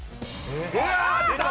うわ出た！